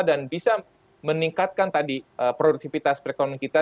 dan bisa meningkatkan tadi produktivitas perekonomian kita